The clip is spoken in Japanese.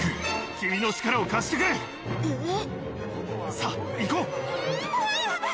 さぁ行こう！